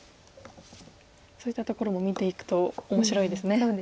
そういったところも見ていくと面白いですね。